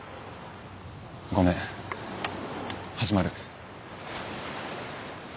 ごめん始まる。